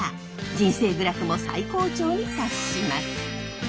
人生グラフも最高潮に達します。